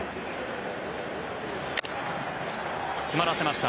詰まらせました。